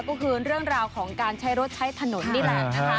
ก็คือเรื่องราวของการใช้รถใช้ถนนนี่แหละนะคะ